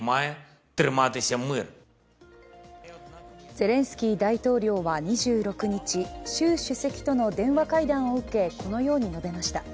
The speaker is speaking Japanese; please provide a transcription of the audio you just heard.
ゼレンスキー大統領は２６日、習主席との電話会談を受け、このように述べました。